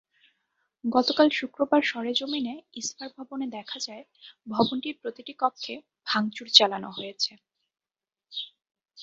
গতকাল শুক্রবার সরেজমিনে ইসফার ভবনে দেখা যায়, ভবনটির প্রতিটি কক্ষে ভাঙচুর চালানো হয়েছে।